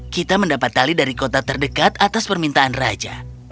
kita mendapat tali dari kota terdekat atas permintaan raja